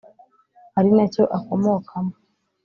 ari nacyo akomokamo